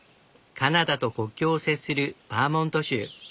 カナダと国境を接するバーモント州。